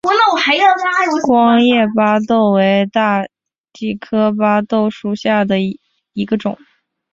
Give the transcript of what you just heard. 光叶巴豆为大戟科巴豆属下的一个种。